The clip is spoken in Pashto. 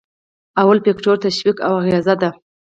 لومړی فکتور تشویق او اغیزه ده.